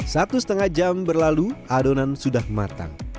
satu setengah jam berlalu adonan sudah matang